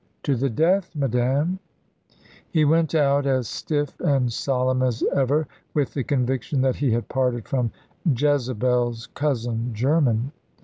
"To the death, madame!" He went out as stiff and solemn as ever, with the conviction that he had parted from Jezebel's cousin german.